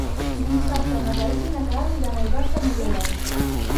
Dissabte na Thaís i na Queralt iran a Ivars de Noguera.